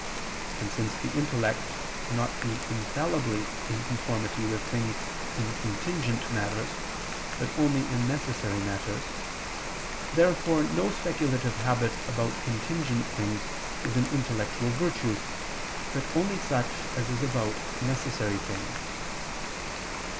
And since the intellect cannot be infallibly in conformity with things in contingent matters, but only in necessary matters, therefore no speculative habit about contingent things is an intellectual virtue, but only such as is about necessary things.